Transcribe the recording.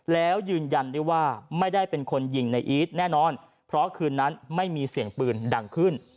แล้วยืนยันได้ว่าไม่ได้เป็นคนยิงในอีทแน่นอนเพราะคืนนั้นไม่มีเสียงปืนดังขึ้น